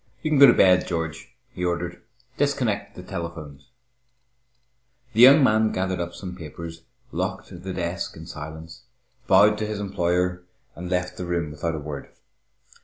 "You can go to bed, George," he ordered. "Disconnect the telephones." The young man gathered up some papers, locked the desk in silence, bowed to his employer, and left the room without a word.